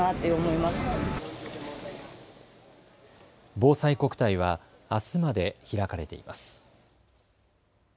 ぼうさいこくたいはあすまで開かれています。